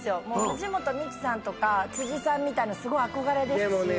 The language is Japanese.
藤本美貴さんとか辻さんみたいなのすごい憧れですでもね